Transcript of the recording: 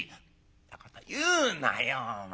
「んなこと言うなよお前。